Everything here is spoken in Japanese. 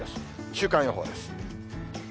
週間予報です。